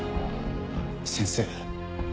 先生